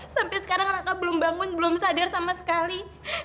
sampai sekarang raka belum bangun belum sadar sama sekali